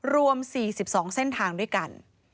รวม๔๒เส้นทางด้วยกัน